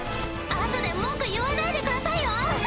後で文句言わないでくださいよ！